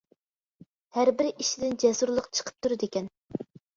ھەر بىر ئىشىدىن جەسۇرلۇق چىقىپ تۇرىدىكەن.